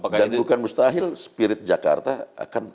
dan bukan mustahil spirit jakarta akan